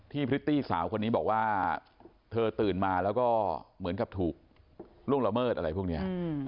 พริตตี้สาวคนนี้บอกว่าเธอตื่นมาแล้วก็เหมือนกับถูกล่วงละเมิดอะไรพวกนี้